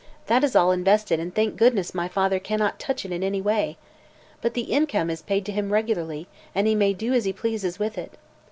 That is all invested, and thank goodness my father cannot touch it in any way. But the income is paid to him regularly, and he may do as he pleases with it.